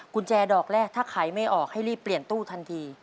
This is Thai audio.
กุญแจดอกแรกถ้าขายไม่ออกให้รีบเปลี่ยนตู้ทันที